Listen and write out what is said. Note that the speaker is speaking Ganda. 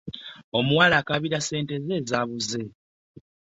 Omuwala akaabira sente ze ezaabuze.